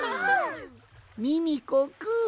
ミミコくん！